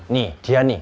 nih dia nih